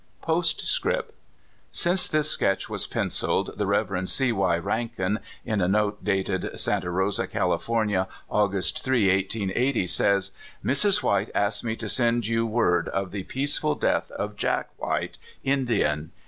'^ j , Postscript.— Since this sketch was penciled, the Rev C. Y. Rankin, in a note dated Santa Rosa, California, August 3, 1880, says: *^ Mrs. White asked me to send you word of the peaceful death of Jack White (Indian).